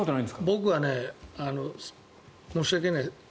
僕は申し訳ない。